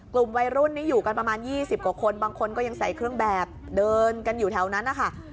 กลุ่มวัยรุ่นนี้อยู่กันประมาณ๒๐กว่าคนบางคนก็ยังใส่เครื่องแบบเดินกันอยู่แถวนั้นนะคะ